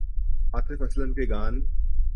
عاطف اسلم کے گان